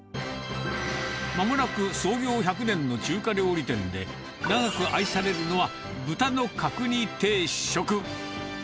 まもなく創業１００年の中華料理店で、長く愛されるのは、豚の角煮定食。